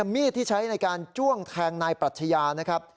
มีดที่ใช้ในการจ้วงแทงนายปรัชญานะครับ